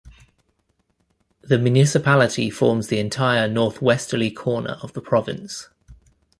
The municipality forms the entire northwesterly corner of the province.